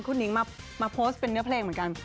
คุณนิ้งมาโพสต์เป็นเนื้อเพลงเหมือนกัน